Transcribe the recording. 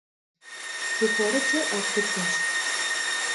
Фи хуэрэджэр ӏэфӏ дыдэщ.